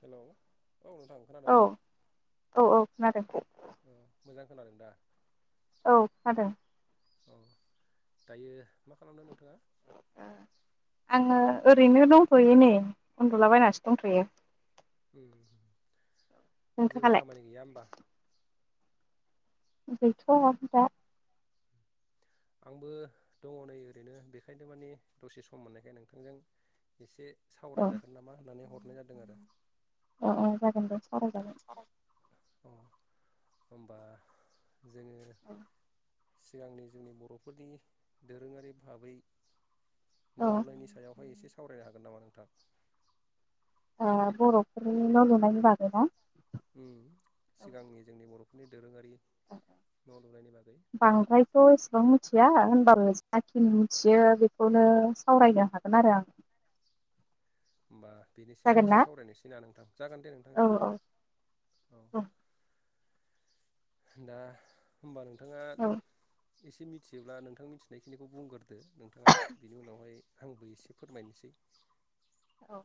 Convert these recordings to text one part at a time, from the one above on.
Hello औ सार नोंथां खोनादों ना औ औ खोनादों ओं मोजां खोनादों दा औ खोनादों अ दायो मा खालामदों नोंथाङा ओ आङो ओरैनो दंथ'यो नै उन्दुला बायनासो दंथ'यो जेबो नोंथाङालाय खामानि गैया होमबा गैथ'आ दा आंबो दङ नै ओरैनो बेखायनो माने दसे सम मोननायखाय नोंथांजों एसे सावरायजागोन नामा होननानै हर हरनाय जादों आरो अ अ जागोन दे सावराय जागोन। अ होमबा जोङो सिगांनि जोंनि ब बर'फोरनि दोरोङारि भाबै औ न' लुनायनि सायावहाय एसे साव सावरायनो हागोन नामा नोंथां? ओ बर'फोरनि न' लुनायनि बागै ना। उम सिगांनि जोंनि बर' नि दोरोङारि न' लुनायनि बागै बांद्रायथ एसेबां मिथि थिया होनबाबो जाखिनि मिथियो बेखौनो सावरायनो हागोन आरो आं। होमबा बेनि जागोन सायावनो ना एसे सावरायनोसै ना नोंथां जागोन दे नोंथां औ जागोन औ दे औ। औ दा होमबा नों नोंथाङा एसे मिथियोब्ला नोंथां मिथिनायखिनिखौ बुंगोर। नोंथाङा बिनि उनावहाय आंबो एसे फोरमायनोसै। औ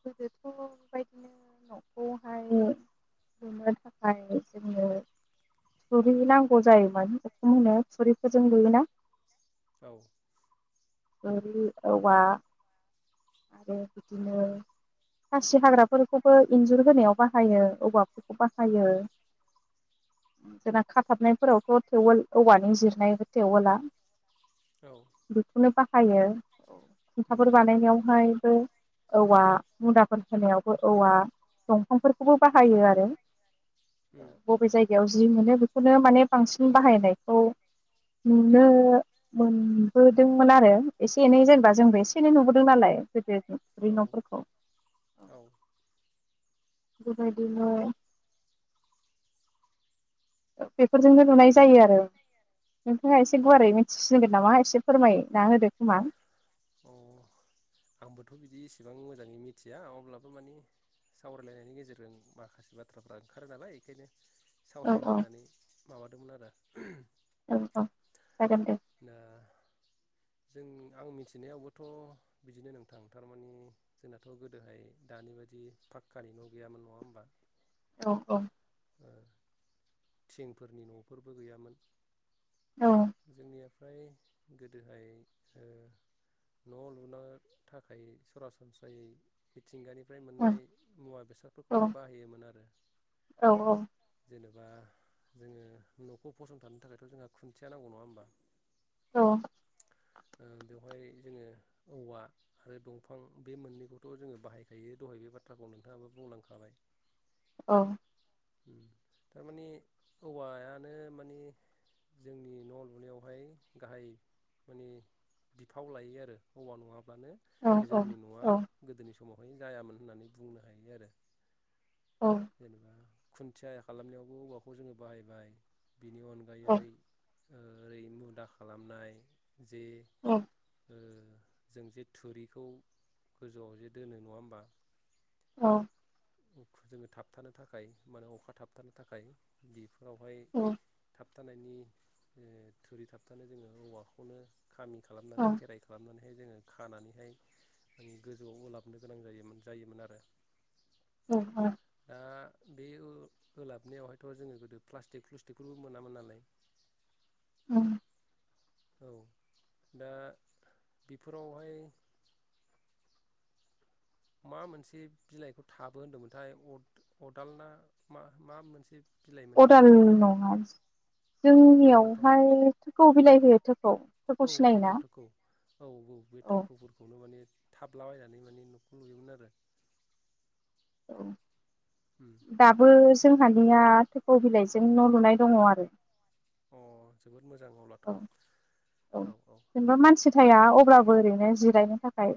गोदोथ बेबायदिनो न'खौहाय लुनो थाखाय जोंनो थुरि नांगौ जायोमोन अखुम होनो थुरिफोरजों लुयोना। औ थोरि औवा आरो बिदिनो खासि हाग्राफोरखौबो इन्जुर होनायाव बाहायो औवाफोरखौ बाहायो जोंना खाथाबनायफोरावथ थेवोल औवाजों जिरनाय टेवोला औ बे खौनो बाहायो औ उम खुन्थाफोर बानायनायावहायबो औवा मुदाफोर होनायावबो औवा दंफांफोरखौबो बाहायो आरो उम बबे जायगायाव जि मोनो बेखौनो माने बांसिन बाहायनायखौ नुनो मोनबो दोंमोन आरो एसे एनै जेनेबा जोंबो एसे एनै नुबोदों नालाय गोदो औ नफोरखौ औ बेबायदिनो बेफोरजोंबो लुनाय जायो आरो। नोंथाङा एसे उम गुवारै मोनथिसिनगोन नामा एसे फोरमायो ना होदो खोमा? अ आंबोथ बिदि इसेबां मोजाङै मिथिया अब्लाबो माने सावरायलायनायनि गेजेरजों माखासे बाथ्राफ्रा ओंखारो नालाय बेखायनो औ सावरायनो औ होननानै माबादोंमोन आरो। औ औ जागोन दे। दा जों आं मिथिनायावबोथ बिदिनो नोंथां थारमाने जोंनाथ गोदोहाय दानि बायदि फाखकानि न गैयामोन नङा होमबा? औ औ थिंफोरनि नफोरबो गैयामोन। औ जोंनिया फ्राय गोदोहाय ओ न लुनो थाखाय सरासनस्रायै मिथिंगानि फ्राय औ मोननाय मुवा औ बेसादफोरखौनो बाहायोमोन आरो। औ औ जेनेबा जोङो नखौ फसंथानो थाखायथ जोंहा खुन्थिया नांगौ नङा होमबा औ ओ बेवहाय जोङो औवा आरो दंफां बे मोननैखौथ जोङो बाहायखायो दहाय बे बाथ्राखौ नोंथाङाबो बुंलांखाबाय औ थारमानि औवायानो माने जोंनि न लुनायावहाय गाहाय माने बिफाव लायो आरो औवा नङा बानो औ जोंनि नआ गोदोनि सम समावहाय जायामोन होननानै बुंनो हायो आरो जेनेबा खुन्थिया खालामनायावबो औवाखौ जोङो बाहायबाय बिनि अनगायै ओरै मुदा खालामनाय जे औ ओ जों जे थुरिखौ गोजौआव जे दोनो नङा होमबा औ जोङो थाबथानो थाखाय माने अखा थाबथानो थाखाय बेफोर फोरावहाय थाब थाबथानायनि ओ थुरि थाबथानो जोङो औवाखौनो खामि औ खालामनानै फेराइ खालामनानै नाय जोङो खानानैहाय गोजौआव उलाबनो गोनां जायमोन जायोमोन आरो अ औ दा बे ओलाबनायावहायथ जोङो गोदो प्लास्टिक फ्लुस्टिकखौबो मोनामोन नालाय उम औ दा बेफोरावहाय मा मोनसे बिलाइखौ थाबो होनदोंमोनथाय अदालना मा मा मोनसे बिलाइमोनथाय अदाल नङा मामोनथाय जोंनियावहाय थोखौ बिलाइ होयो थोखौ औ थोखौ सिनायोना थोखौ औ औ बे थोखौफोरखौनो माने थाबलाबायनानै माने न'खौ नुयोमोन आरो औ उम दाबो दा जोंहानिया थोखौ बिलाइजों न' लुनाय दङ आरो अ जोबोद मोजां अब्लाथ' औ औ औ जेनेबा मानसि थाया अब्ला बो ओरैनो जिरायनो थाखाय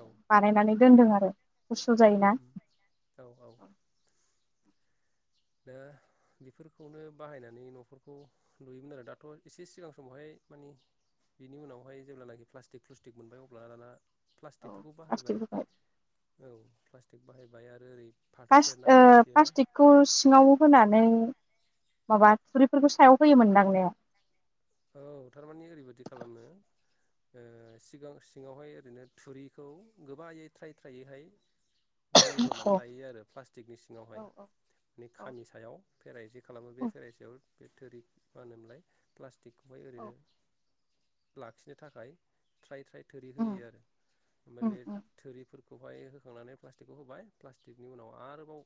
औ बानायनानै दोनदों आरो औ उम उम औ औ दा बेफोरखौनो बाहायनानै न'फोरखौ लुयोमोन आरो दाथ' एसे सिगां समावहाय मानि बिनि उनावहाय जेब्लानाखि प्लास्टिक फ्लुस्टिक मोनबाय अब्लाना दाना औ प्लास्टिकफोरखौ बाहायबाय प्लास्टिकखौहाय औ प्लास्टिक बाहाय ओमफ्राय आरो ओरै फाथो ओ सेरनाखौ मिथियोना प्लास्टिकखौ सिङाव होनानै माबा थुरिफोरखौ सायाव होयोमोनदां ने औ थारमाने ओरैबायदि खालामो ओ सिगां सिङावहाय ओरैनो थुरिखौ गोबायै थ्राय थ्रायैहाय बगोरनानै लायो आरो प्लास्टिकनि औ सिङावहाय औ माने औ खामि सायाव फेराइसे खालामो बे औ फेराइसेयाव बे थोरि मा होनोमोनलाय प्ला स्टिकखौहाय औ ओरैनो लाखिनो थाखाय थ्राय थ्राय थोरि उम होयो आरो ओमफ्राय उम बे उम थोरिफोर खौहाय होखांनानै प्लास्टिकखौ होबाय प्लास्टिकनि उनाव आरोबाव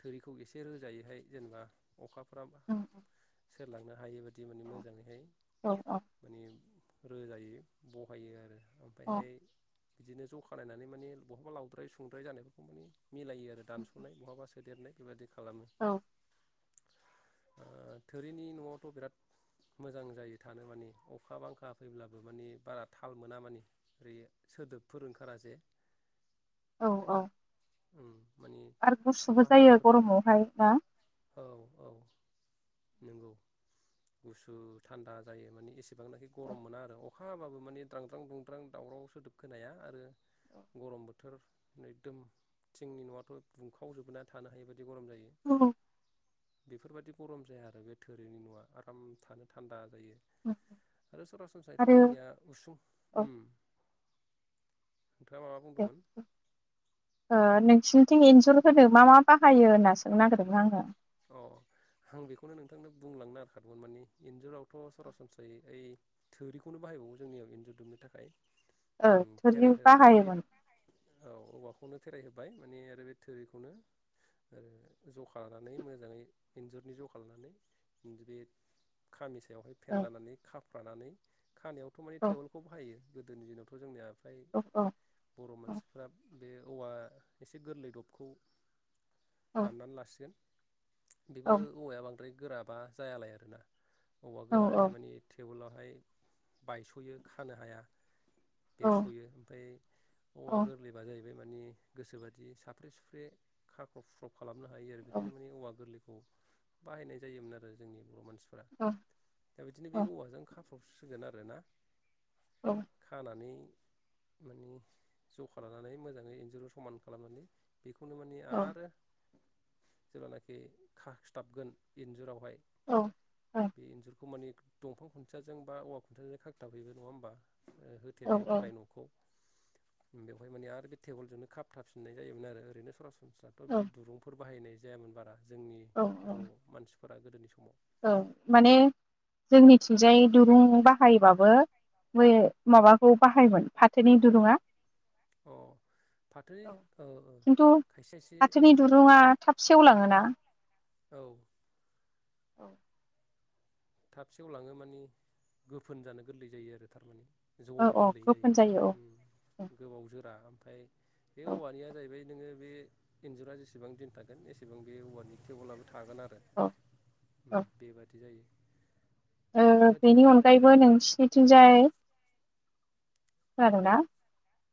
थोरिखौ एसे रोजायैहाय जेनेबा अखाफ्रा बा उम उम सेरलांनो हायो मोन दिमानि मो औ जाङैहाय औ माने रोजायै बहायो आरो औ ओमफायहाय बिदिनो ज' खालायनानै माने बहाबा लावद्राय सुंद्राय जानायफोरखौ माने मिलायो आरो दानस'नाय बहाबा फेदेरनाय बेबायदि खालामो औ थोरिनि न'आवथ' बिराद मोजां जायो थानो माने अखा बांखा फैब्लाबो मानि बारा थाल मोना मानि ओरै सोदोबफोर ओंखारा जे औ औ उम माने आरो गुसुबो अखा जायो हानायफोरखौ गरमावहाय ना औ औ नंगौ गुसु थान्दा जायो माने एसे जेसेबांनाखि गरम मोना आरो अखा हाबाबो माने द्रांद्रां ब्रुंद्रां दावराव सोदोब खोनाया आरो गरम बोथोर एखदम थिंनि न'आथ' दुंखावजोबोना थानो हायिबायदि बिदि गरम जायो औ बेफोरबायाददि गरम जाया आरो बे थोरिनि न'आ आराम थानो थान्दा आरो सरासनस्रायैथ' आरो जोंनिया उसुं औ उम नोंथाङा माबा बुंदोंमोन सिनिथिं एन्जुर होनो मा मा बाहायो होनना सोंनो नागिरोदों आङो अ आं बेखौनो नोंथांनो बुंलांनो नागेरखादोंमोन माने इन्जुरावथ' सरासनस्रायै ओइ थोरिखौनो बाहायबावो जोंनियाव इन्जुर दुमनो थाखाय ओ थोरि फेराय होनोनानै बे बाहायोमोन औ औवाखौनो फेराइहोबाय माने आरो बे थोरिखौनो आरो जखा नाय मोजाङै इनजुरनि जखा लानानै‌ बे‌ खामि बेवहाय औ फेनलानानै खा फ्रानानै खानायावथ' माने औ टेवलखौबो बाहायो गोदोनि दिनाव थ' जोंनि ओमफ्राय औ औ बर' औ मानसिफ्रा बे औवा एसे गोरलै दबखौ औ दाननानै लासिगोन बेबो औ औवाया बांद्राय गोराबा जायालाय आरोना औवा औ गोराबाथाय माने टेवोलावहाय बायस'यो खानो हाया बेरस'यो ओमफ्राय औवा औ गोरलैबा जाहैबाय बे माने गोसोबादि साफ्रे सुफ्रे खाख्रब खुख्रब खालामनो हायो बेखायनो माने औवा गोरलै खौ बाहायनाय जायोमोन आरो जोंनि बर' मानसि दा बिदिनो बे औवाजों खा सिगोन आरोना खानानै माने ज'खा लानानै मोजाङै इन्जुर समान खालामनानै बेखौनो माने आरो जेब्लानाखि खाखथाबगोन इन्जुरावहाय बे एन्जुरखौ माने दंफां खुन्थाजों बा औवा खुन्थियाजों खाखथाफैबाय नङा होमबा होथेनायनि थाखाय न'खौ बेवहाय माने आरो बे टेबोलजोंनो खाबथाबफिननाय जायोमोन आरो ओरैनो सरासनसै संसारथ' औ बिदि दुरुंफोर बाहायनाय जायामोन बारा जोंनि बर' मानसि फोरा गोदोनि समाव औ माने जोंनिथिंजाय दुरुं बाहायबाबो बे माबाखौ बाहायोमोन फाथोनि दुरुंङा अ फाथोनि ओ ओ खिन्थु खायसे खायसे फाथोनि दुरुङा थाब सेवलाङोना। औ औ थाब सेयाव लाङो माने गोफोन जानो गोरलै जायो आरो थारमाने। औ ज'नो औ गोरलै गोफोन औ जायो औ गोबाव जोरा। फाय बे औ औवानिया जाहैबाय नोङो बे इन्जुरा जेसेबां दिन थागोन एसेबां बे औवानि थेवोलाबो थागोन आरो औ औ बेबादि जायो। ओ बेबादिनो बेनि बानायोमोन अनगायैबो नोंसनिथिंजाय आरो ना।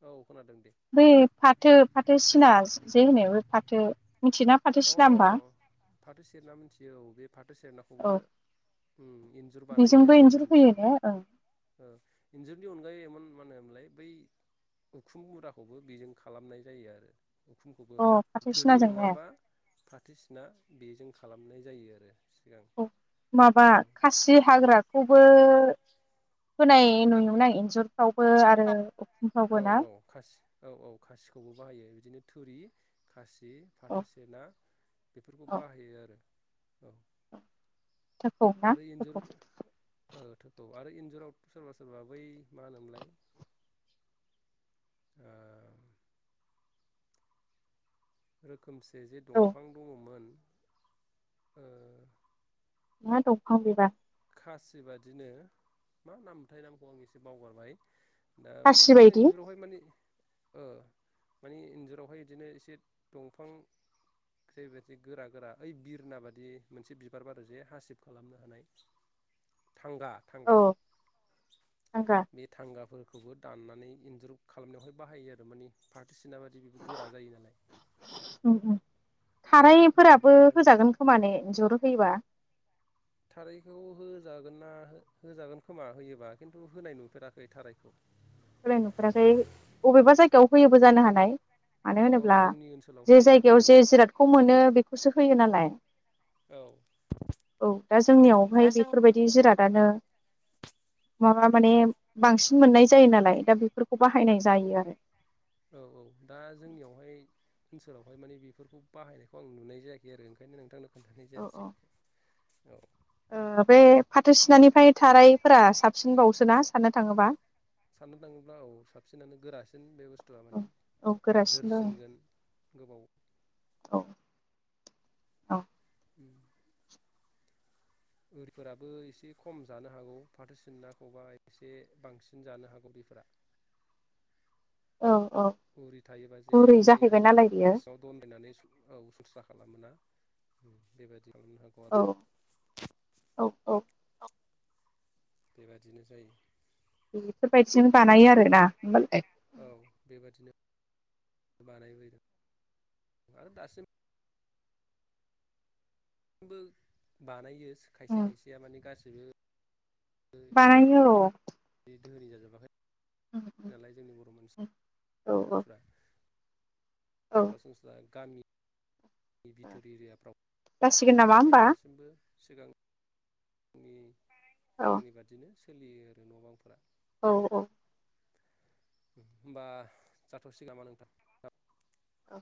औ खोनादों दे बै फाथो फाथो सिना जे होनायाव फा थो मिथियोना अ फाथोसिना होनबा। फाथो सेरना मिथियो औ बे फाथो सेरनाखौबो औ इन्जुर बानायो बेजोंबो आरो इन्जुर फैयो जोंनिथिं ने ओ इन्जुरनि अनगायै ओम थार मा होनोमलाय बै उखुम मुराखौबो बेजों खालामनाय जायो आरो ओं अ फाथो थोरि सिनाजों ने नङाबा फाथो सिना बेजों खालामनाय जायो आरो। सिगां माबा खासि हाग्राखौबो होनाय नुयोमोन आं इन्जुर इन्जुरफ्राव थोरि खासि जि औ फाथो सेना बेफोरखौ औ बाहायो आरो। औ आरो इन्जुर ओ थोखौ [unintelligible] आरो इन्जुरावथ सोरबा सोरबा बै मा होनोमोनलाय ओ आरो रोखोमसे जे औ दंफां दङमोन ओ मा दंफां बेबा। खासि बादिनो मा नाम मोनथाय नामखौ आं एसे बावगारबाय। दा खासि बिदिनो बायदि इन्जुरावहाय माने ओ माने इन्जुरावहाय बिदिनो एसे दंफां जैबायदि गोरा गोरा ओइ बिरना बादि मोनसे बिबार बारो जे हासिब खालामनो हानाय थांगा थांगा औ थांगा बे थांगाफोर खौबो दाननानै इन्जुर खालामनायावहाय बाहायो आरो माने पा थोदिसिना बायदि बेबो गोरा जायो नालाय। थाराइ बेबायदि फोराबो बाहायो होजागोन खोमाने इजुराव होयो बा थाराइखौ होजागोन ना हो होजागोन खोमा होयोबा खिन्थु होनाय नुफेराखै थाराइखौ। होनाय नुफेराखै अबेबा जायगायाव होयोबो जानो हानाय। मानो औ होनोब्ला जोंनि जे ओनसोलावहाय जायगायाव उम जे जिरादखौ मोनो बे खौसो होयो नालाय औ औ दा औ जोंनियावहाय बेफोरबायदि जिराद दानो माबा माने बांसिन मोननाय जायो नालाय। दा बेफोरखौ बाहायनाय जायो आरो। औ औ दा जोंनियावहाय ओनसोलावहाय माने बेफोरखौ बाहायनायखौ आं नुनाय जायाखै आरो ओंखायनो नोंथांनो औ औ [unintelligible] औ ओ बे फाथो सिनानिफाय थारायफोरा साबसिन बावसोना साननो थाङोबा साननो थाङोब्ला औ साबसिनानो गोरासिन बे बुस थुआ औ माने औ गोरासिनबो जोरसिनगोन। गोबाव औ औ [inaudible] उरिफोराबो एसे खम जानो हागौ फाथो सिननाखौबा एसे बांसिन जानो हागौ उरिफोरा। औ औ उरि थायोबा जे गुरै उरिया जाहैबाय जे नालाय बियो सिंआव दनदायनानै औ सनस्रा खालामोना। उम बेबादि औ औ औ बेबादिनो जायो। बेफोरबायदिनो बानायो आरो ना होमबालाय। औ बेबादिनो बानाय फैदों आरो दासिम बो बानायो खायसे खायसेया माने गासिबो बेबादि बानायो औ दोहोनि जाजोबाखै नालाय जोंनि बर' औ औ मानसिफ्रा औ सरासनस्रा गामि बिथोर जासिगोन नामा एरियाफ्राव हाय होमबा दासिमबो सिगां औ सिगांनि बादिनो सोलियो आरो न' बांफोरा औ औ होमबा जाथ'सिग नामा नोंथां ओ